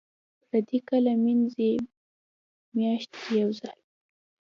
پردې کله مینځئ؟ میاشت کې یوځل